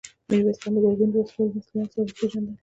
ميرويس خان د ګرګين د وسلو له مسوول سره وپېژندل.